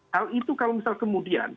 hal itu kalau misal kemudian